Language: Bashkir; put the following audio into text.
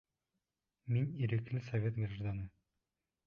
— Мин ирекле совет гражданы.